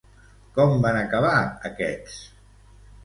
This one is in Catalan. Com van acabar aquests?